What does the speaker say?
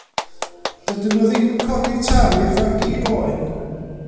Dydyn nhw ddim yn codi tariff ar gig oen.